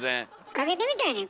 かけてみたらええねん